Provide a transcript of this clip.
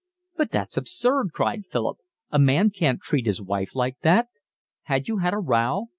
"But it's absurd," cried Philip. "A man can't treat his wife like that. Had you had a row?"